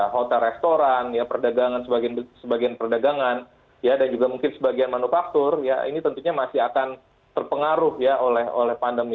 hotel restoran perdagangan sebagian perdagangan dan juga mungkin sebagian manufaktur ya ini tentunya masih akan terpengaruh ya oleh pandemi